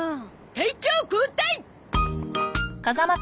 隊長交代！